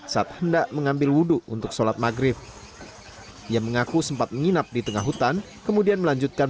sehingga dia bisa berjaya menjaga kembali ke kota kota yang lain